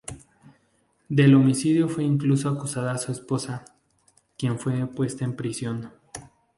Del homicidio fue incluso acusada su esposa, quien fue puesta en prisión.